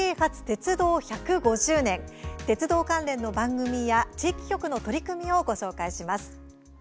鉄道関連の番組や、地域局の取り組みを紹介します。